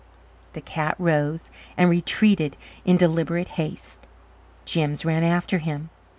The cat rose and retreated in deliberate haste; Jims ran after him.